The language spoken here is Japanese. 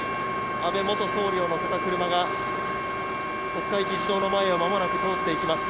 安倍元総理を乗せた車が国会議事堂の前をまもなく通っていきます。